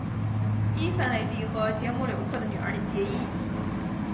伊凡雷帝和捷姆留克的女儿结姻。